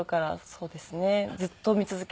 そうですか。